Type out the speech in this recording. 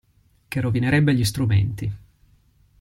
Che rovinerebbe gli strumenti.